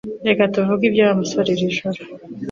Reka tuvuge ibya Wa musore iri joro